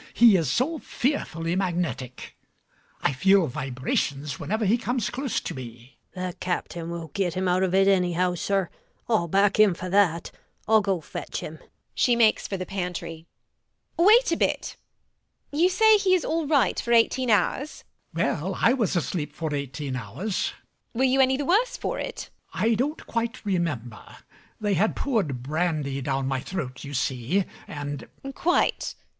He is so fearfully magnetic: I feel vibrations whenever he comes close to me. GUINNESS. The captain will get him out of it anyhow, sir: I'll back him for that. I'll go fetch him [she makes for the pantry]. MRS HUSHABYE. Wait a bit. [To Mazzini]. You say he is all right for eighteen hours? MAZZINI. Well, I was asleep for eighteen hours. MRS HUSHABYE. Were you any the worse for it? MAZZINI. I don't quite remember. They had poured brandy down my throat, you see; and MRS HUSHABYE. Quite.